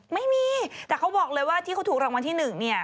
ไม่มีแต่เขาบอกเลยว่าที่เขาถูกรางวัลที่๑เนี่ย